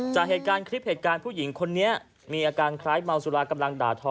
จากเหตุการณ์คลิปเหตุการณ์ผู้หญิงคนนี้มีอาการคล้ายเมาสุรากำลังด่าทอ